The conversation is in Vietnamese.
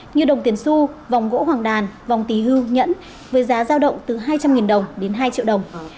như đồng tiền su vòng gỗ hoàng đàn vòng tí hư nhẫn với giá giao động từ hai trăm linh đồng đến hai triệu đồng